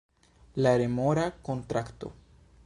La remora kontrakto